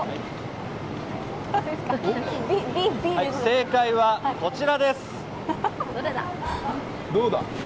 正解はこちらです！